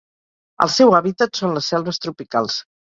El seu hàbitat són les selves tropicals.